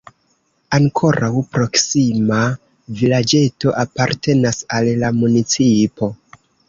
Ankoraŭ proksima vilaĝeto apartenas al la municipo.